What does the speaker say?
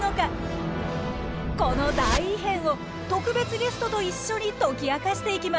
この大異変を特別ゲストと一緒に解き明かしていきます。